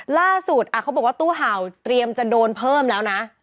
เขาบอกว่าตู้เห่าเตรียมจะโดนเพิ่มแล้วนะ